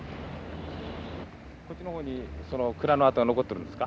こっちの方にその蔵の跡は残っとるんですか？